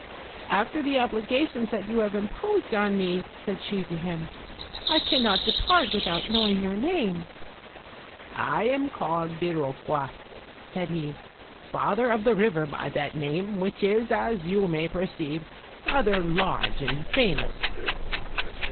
"After the obligations that you have imposed on me," said she to him, "I cannot depart without knowing your name." "I am called Biroqua," said he, "father of the river of that name, which is, as you may perceive, rather large and famous."